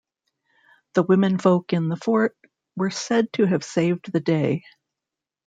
The womenfolk in the fort were said to have saved the day.